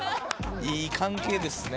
いい関係ですよね。